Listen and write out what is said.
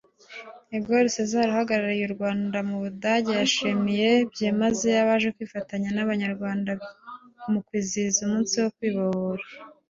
Igor Cesar uhagarariye u Rwanda mu Budage yashimiye byimazeyo abaje kwifatanya n’Abanyarwanda mu kwizihiza umunsi wo kwibohora